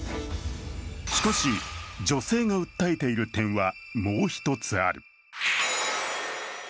しかし、女性が訴えている点はもう一つある。